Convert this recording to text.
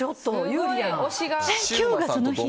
有利やん！